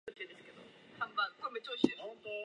ほとんどのページに真緑色の大きな植物が写っていた